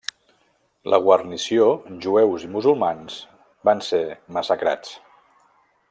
La guarnició, jueus i musulmans, van ser massacrats.